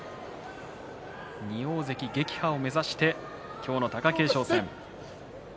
２大関撃破を目指して今日の貴景勝戦。